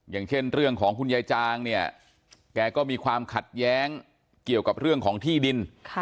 อย่างเช่นเรื่องของคุณยายจางเนี่ยแกก็มีความขัดแย้งเกี่ยวกับเรื่องของที่ดิน